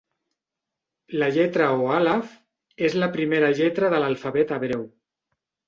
La lletra o àlef és la primera lletra de l'alfabet hebreu.